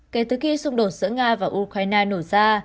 kể từ khi xung đột giữa nga và ukraine nổ ra